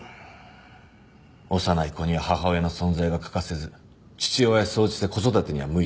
幼い子には母親の存在が欠かせず父親は総じて子育てには向いていない。